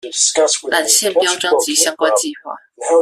纜線標章及相關計畫